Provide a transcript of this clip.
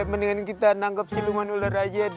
mendingan kita nangkep siluman ular aja